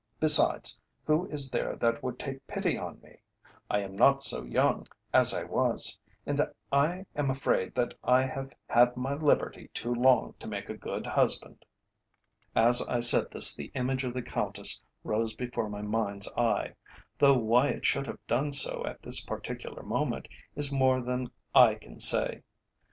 "Besides, who is there that would take pity on me? I am not so young as I was, and I am afraid that I have had my liberty too long to make a good husband." As I said this the image of the Countess rose before my mind's eye, though why it should have done so at this particular moment is more than I can say.